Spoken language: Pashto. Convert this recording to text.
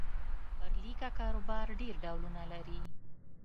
پر لیکه کاروبار ډېر ډولونه لري.